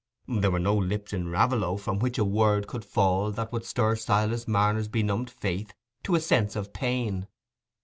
There were no lips in Raveloe from which a word could fall that would stir Silas Marner's benumbed faith to a sense of pain.